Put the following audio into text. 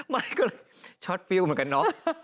ไม่ก็เลยช็อตฟิลเหมือนกันเนาะ